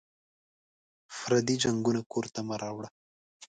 پردي جنګونه کور ته مه راوړه